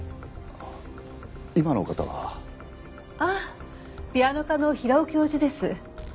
ああピアノ科の平尾教授です。